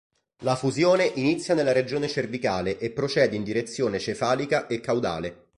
La fusione inizia nella regione cervicale e procede in direzione cefalica e caudale.